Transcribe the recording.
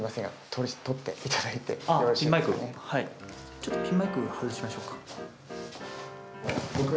ちょっとピンマイク外しましょうか。